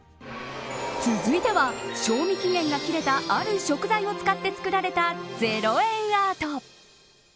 続いては、賞味期限が切れたある食材を使って作られた０円アート。